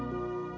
tidak ada apa apa